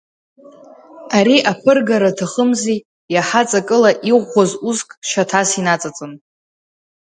Ари аԥыргара аҭахымзи, иаҳа ҵакыла иӷәӷәаз уск шьаҭас инаҵаҵаны.